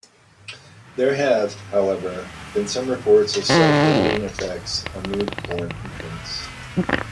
There have, however, been some reports of self-limiting effects on newborn infants.